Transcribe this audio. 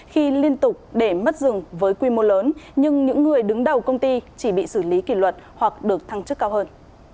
khi liên tục để mất rừng với quy mô lớn nhưng những người đứng đầu công ty chỉ bị xử lý kỷ luật hoặc được thăng chức cao hơn